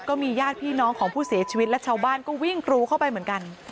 ก็มีญาติพี่น้องของผู้เสียชีวิตและชาวบ้านก็วิ่งกรูเข้าไปเหมือนกัน